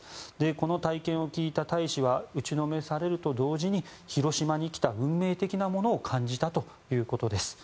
この体験を聞いた大使は打ちのめされると同時に広島に来た運命的なものを感じたということです。